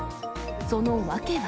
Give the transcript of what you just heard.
その訳は。